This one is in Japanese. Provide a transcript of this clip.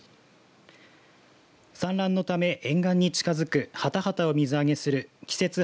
産卵のため沿岸に近づくハタハタを水揚げする季節